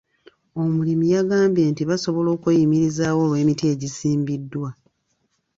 Omulimi yagambye nti basobola okweyimirizaawo olw'emiti egisimbiddwa.